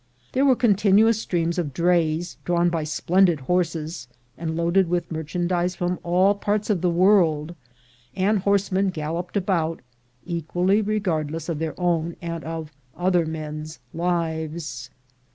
There were continuous streams of drays drawn by splendid horses, and loaded with merchandise from all parts of the world, and horse men galloped about, equally regardless of their own and of other men's lives.